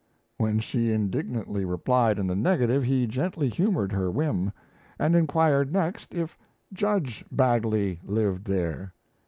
When she indignantly replied in the negative, he gently humoured her whim; and inquired next if Judge Bagley lived there.